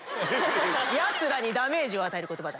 ヤツらにダメージを与える言葉だ。